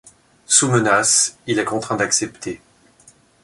Sous menace, il est contraint d'accepter.